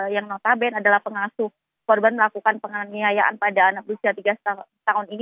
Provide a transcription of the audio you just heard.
yang notabene adalah pengasuh korban melakukan penganiayaan pada anak usia tiga tahun ini